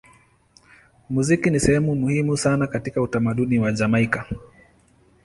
Muziki ni sehemu muhimu sana katika utamaduni wa Jamaika.